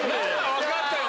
分かったよ